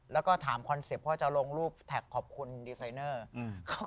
แล้วก็ถามคอนเซ็ปต์พ่อจะลงรูปแท็กขอบคุณดีไซเนอร์